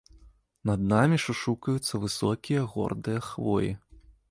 Над намі шушукаюцца высокія гордыя хвоі.